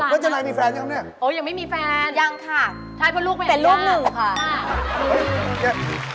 โอ้ยยังไม่มีแฟนยังค่ะเป็นลูกหนึ่งค่ะอ่า